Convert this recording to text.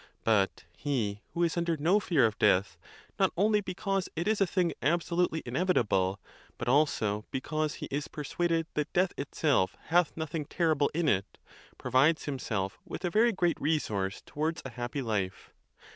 But he who is under no ON BEARING PAIN. 65 fear of death, not only because it is a thing absolutely in evitable, but also because he is persuaded that death itself hath nothing terrible in it, provides himself with a very great resource towards a happy life.